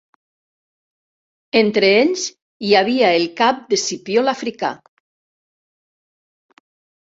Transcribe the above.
Entre ells hi havia el cap d'Escipió l'Africà.